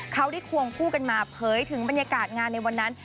เขาได้ควงคู่กันมาเผยถึงบรรยากาศงานในวันนั้น